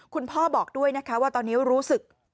คุณพ่อบอกด้วยนะคะว่าตอนนี้รู้สึก